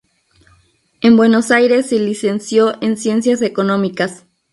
En Buenos Aires se licenció en Ciencias Económicas.